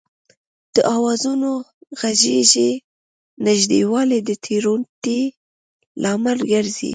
د آوازونو غږیز نږدېوالی د تېروتنې لامل ګرځي